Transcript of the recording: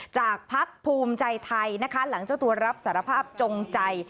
พักภูมิใจไทยนะคะหลังเจ้าตัวรับสารภาพจงใจ